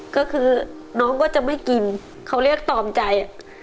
ก็คือน้องก็จะไม่กินเขาเรียกตอมใจ